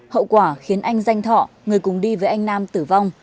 hậu quả khiến anh danh thọ người cùng đi với anh nam tử vong